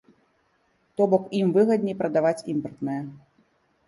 То бок ім выгадней прадаваць імпартнае.